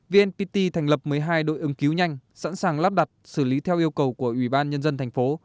vnpt thành lập một mươi hai đội ứng cứu nhanh sẵn sàng lắp đặt xử lý theo yêu cầu của ủy ban nhân dân thành phố